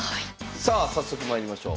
さあ早速まいりましょう。